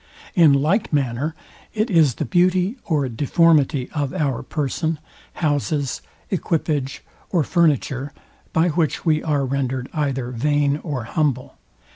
In like manner, it is the beauty or deformity of our person, houses, equipage, or furniture, by which we are rendered either vain or humble.